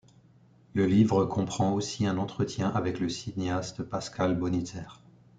Le livre comprend aussi un entretien avec le cinéaste Pascal Bonitzer.